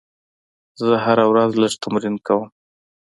زه هره ورځ لږ تمرین کوم.